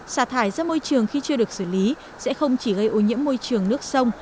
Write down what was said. xả thải ra môi trường khi chưa được xử lý sẽ không chỉ gây ô nhiễm môi trường nước sông